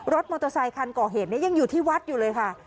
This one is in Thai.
มอเตอร์ไซคันก่อเหตุนี้ยังอยู่ที่วัดอยู่เลยค่ะ